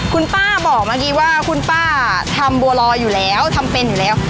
คุณป้าบอกเมื่อกี้ว่าคุณป้าทำบัวรอยอยู่แล้วทำเป็นอยู่แล้ว